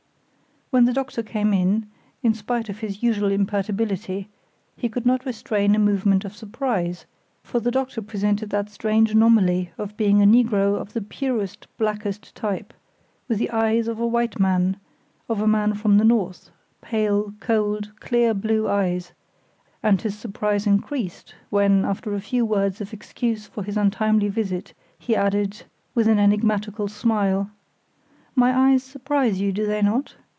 When the doctor came in, in spite of his usual imperturbability, he could not restrain a movement of surprise, for the doctor presented that strange anomaly of being a negro of the purest, blackest type, with the eyes of a white man, of a man from the North, pale, cold, clear, blue eyes, and his surprise increased, when, after a few words of excuse for his untimely visit, he added, with an enigmatical smile: "My eyes surprise you, do they not?